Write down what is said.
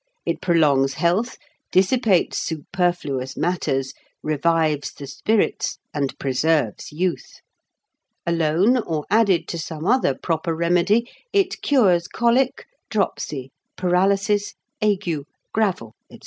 It prolongs health, dissipates superfluous matters, revives the spirits, and preserves youth. Alone, or added to some other proper remedy, it cures colic, dropsy, paralysis, ague, gravel, &c."